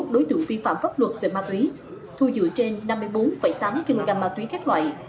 sáu trăm chín mươi một đối tượng vi phạm pháp luật về ma túy thu dựa trên năm mươi bốn tám kg ma túy khác loại